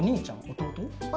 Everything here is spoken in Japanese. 弟？